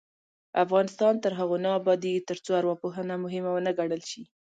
افغانستان تر هغو نه ابادیږي، ترڅو ارواپوهنه مهمه ونه ګڼل شي.